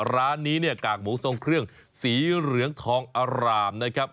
ร้านนี้เนี่ยกากหมูทรงเครื่องสีเหลืองทองอร่ามนะครับ